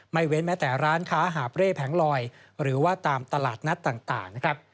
เว้นแม้แต่ร้านค้าหาบเร่แผงลอยหรือว่าตามตลาดนัดต่างนะครับ